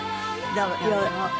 どうも。